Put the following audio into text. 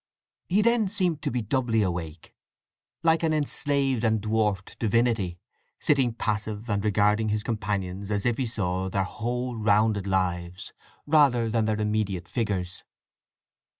He then seemed to be doubly awake, like an enslaved and dwarfed divinity, sitting passive and regarding his companions as if he saw their whole rounded lives rather than their immediate figures.